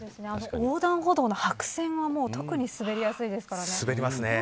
横断歩道の白線は特に滑りやすいですからね。